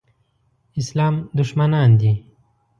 اسلام دښمنان دي.